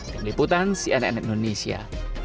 meliputan cnn indonesia